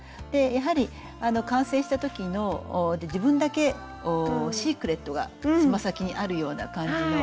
やはり完成した時の自分だけシークレットがつま先にあるような感じの。